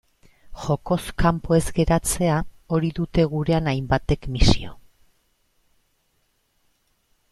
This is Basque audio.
Jokoz kanpo ez geratzea, hori dute gurean hainbatek misio.